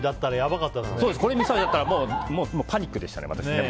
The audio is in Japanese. これ、みそ味だったらもうパニックでしたね。